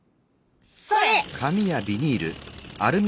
それ！